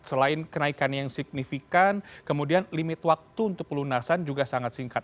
selain kenaikan yang signifikan kemudian limit waktu untuk pelunasan juga sangat singkat